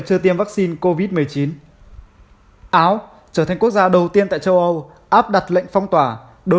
chưa tiêm vaccine covid một mươi chín áo trở thành quốc gia đầu tiên tại châu âu áp đặt lệnh phong tỏa đối